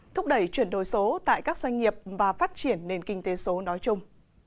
thúc đẩy chuyển đổi số tại các doanh nghiệp và phát triển nền kinh tế số nói chung